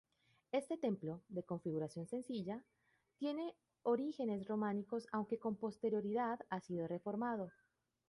Este templo, de configuración sencilla, tiene orígenes románicos aunque con posterioridad ha sido reformado.